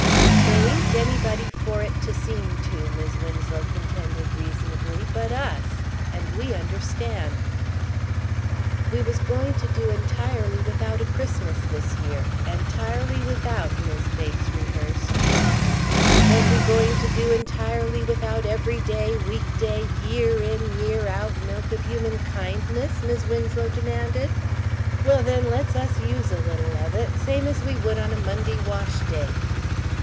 "They ain't anybody for it to seem to," Mis' Winslow contended reasonably, "but us. And we understand." "We was going to do entirely without a Christmas this year. Entirely without," Mis' Bates rehearsed. "Was we going to do entirely without everyday, week day, year in and year out milk of human kindness?" Mis' Winslow demanded. "Well, then, let's us use a little of it, same as we would on a Monday wash day."